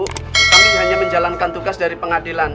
kami hanya menjalankan tugas dari pengadilan